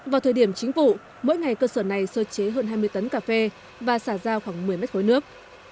vào thời điểm chính vụ mỗi ngày cơ sở này sơ chế hơn hai mươi tấn cà phê và xả ra khoảng một mươi mét khối nước